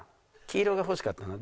黄色が欲しかったな。